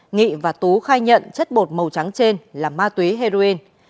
nghị và tú khai nhận chất bột màu trắng trên là ma túy heroin